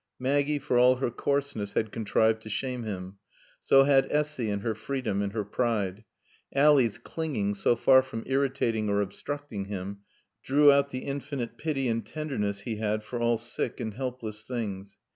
Maggie, for all her coarseness, had contrived to shame him; so had Essy in her freedom and her pride. Ally's clinging, so far from irritating or obstructing him, drew out the infinite pity and tenderness he had for all sick and helpless things.